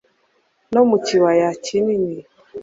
no mu kibaya kinini